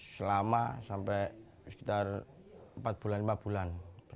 selama sampai sekitar empat bulan lima bulan